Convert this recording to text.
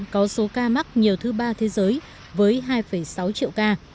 có số ca mắc nhiều thứ ba thế giới với hai sáu triệu ca